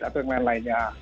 atau yang lain lainnya